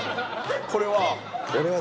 これは。